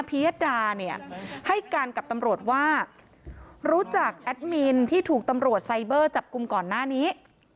ยดาเนี่ยให้การกับตำรวจว่ารู้จักแอดมินที่ถูกตำรวจไซเบอร์จับกลุ่มก่อนหน้านี้